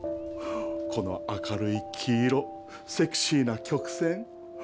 この明るい黄色セクシーな曲線